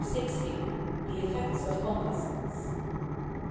THE EFFECTS OF COMPASSES.